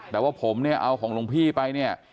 แต่ว่าผมเนี่ยเอาของหลวงพี่ไปเนี่ย